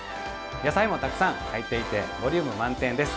野菜もたくさん入っていてボリューム満点です。